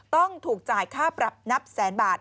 ต้องถูกจ่ายค่าปรับนับแสนบาท